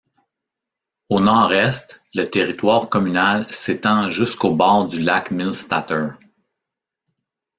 Au nord-est, le territoire communal s'étend jusqu'au bord du lac Millstätter.